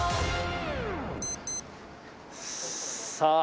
さあ。